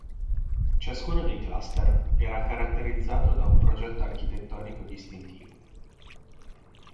Ciascuno dei cluster era caratterizzato da un progetto architettonico distintivo.